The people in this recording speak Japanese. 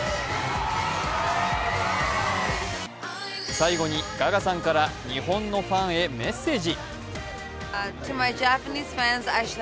最後にガガさんから日本のファンへメッセージ。